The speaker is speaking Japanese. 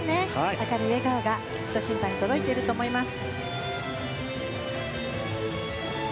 明るい笑顔が審判に届いていると思います。